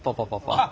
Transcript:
あっ！